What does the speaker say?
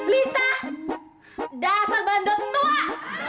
lisa dasar bandut tua